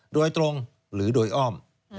โดยตรงหรือโดยอ้อม